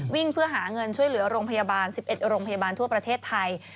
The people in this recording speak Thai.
วิ่งเพื่อหาเงินช่วยเหลือโรงพยาบาล๑๑โรงพยาบาลทั่วประเทศไทย